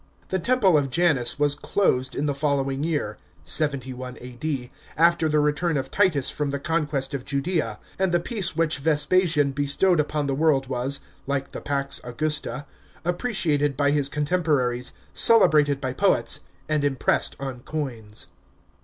The temple of Janus was closed in the following year (71 A.D.), after the return of Titus 70 71 A.D. POLICY OF VESPASIAN. 377 from the conquest of Judea; and the peace which Vespasian bestowed upon the world was (like the pax Augusta) apprec'ated by his contemporaries, celebrated by poets, and impressed on coins.